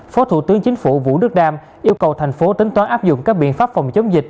phó thủ tướng chính phủ vũ đức đam yêu cầu thành phố tính toán áp dụng các biện pháp phòng chống dịch